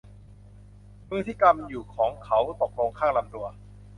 มือที่กำอยู่ของเขาตกลงข้างลำตัว